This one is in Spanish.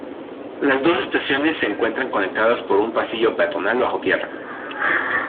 Las dos estaciones se encuentran conectadas por un pasillo peatonal bajo tierra.